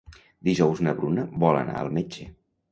Dijous na Bruna vol anar al metge.